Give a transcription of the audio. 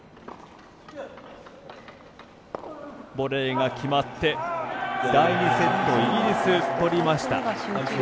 ボレーが決まって、第２セットイギリスが取りました。